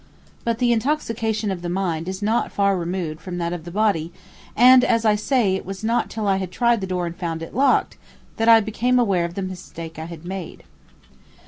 But the intoxication of the mind is not far removed from that of the body, and as I say it was not till I had tried the door and found it locked, that I became aware of the mistake I had made.